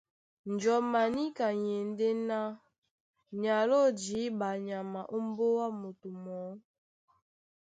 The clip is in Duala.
Njɔm a níka ni e ndé ná ni aló jǐɓa nyama ómbóá moto mɔɔ́.